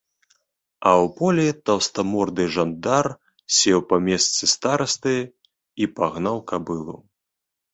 А ў полі таўстаморды жандар сеў па месца старасты і пагнаў кабылу.